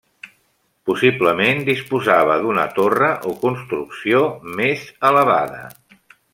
Possiblement disposava d’una torre o construcció més elevada.